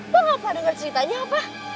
lo ngapain denger ceritanya apa